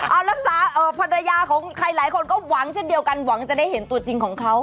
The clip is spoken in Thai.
เอาละภรรยาของใครหลายคนก็หวังเช่นเดียวกันหวังจะได้เห็นตัวจริงของเขา